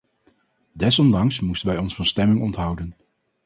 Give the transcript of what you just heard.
Desondanks moesten wij ons van stemming onthouden.